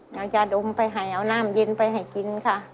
น้องเซงียมไปให้เอาน้ำเย็นไปให้กินค่ะ